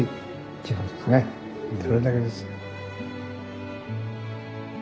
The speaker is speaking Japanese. それだけですよ。